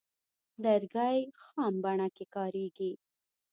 لرګی خام بڼه کې کاریږي.